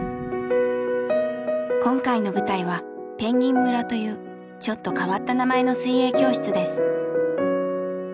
今回の舞台は「ぺんぎん村」というちょっと変わった名前の水泳教室です。